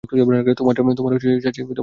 তোমার চাচীও পড়বে।